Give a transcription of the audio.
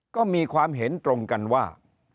ก็มีความเห็นตรงกันว่า